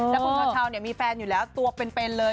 แล้วคุณเช้าเนี่ยมีแฟนอยู่แล้วตัวเป็นเลย